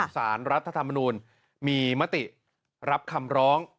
สารรัฐธรรมนูลมีมติรับคำร้อง